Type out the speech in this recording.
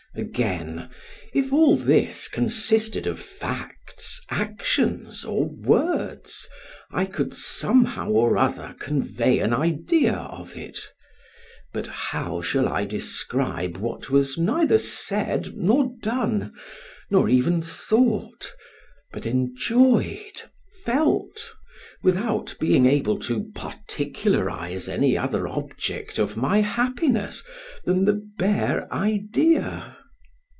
Again, if all this consisted of facts, actions, or words, I could somehow or other convey an idea of it; but how shall I describe what was neither said nor done, nor even thought, but enjoyed, felt, without being able to particularize any other object of my happiness than the bare idea?